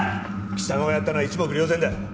貴様がやったのは一目瞭然だ！